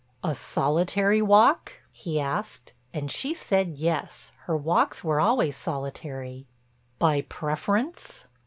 "A solitary walk?" he asked and she said yes, her walks were always solitary. "By preference?"